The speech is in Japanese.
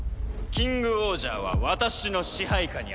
キングオージャーは私の支配下にある。